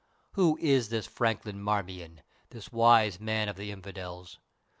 Who is this Franklin Marmion, this wise man of the infidels?